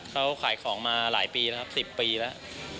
เขาขายของมาหลายปีแล้วครับ๑๐ปีแล้ว